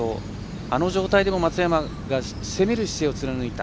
あの状態でも松山が攻める姿勢を貫いた。